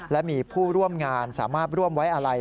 และมีผู้ร่วมงานสามารถร่วมไว้อะไร